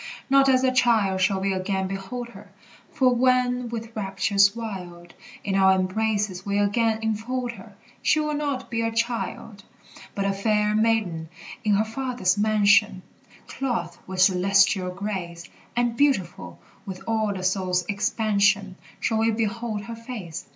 Not as a child shall we again behold her; For when with raptures wild In our embraces we again enfold her, She will not be a child: But a fair maiden, in her Father's mansion, Clothed with celestial grace; And beautiful with all the soul's expansion Shall we behold her face.